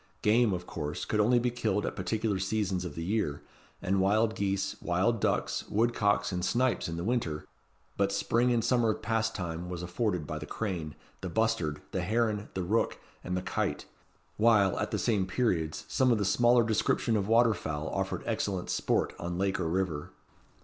Game, of course, could only be killed at particular seasons of the year; and wild geese, wild ducks, woodcocks, and snipes in the winter; but spring and summer pastime was afforded by the crane, the bustard, the heron, the rook, and the kite; while, at the same periods, some of the smaller description of water fowl offered excellent sport on lake or river.